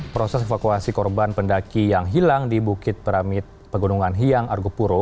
proses evakuasi korban pendaki yang hilang di bukit peramit pegunungan hiang argopuro